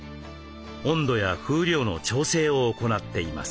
温度や風量の調整を行っています。